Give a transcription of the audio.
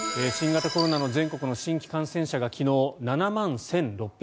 新型コロナの全国の新規感染者が昨日、７万１６８０人。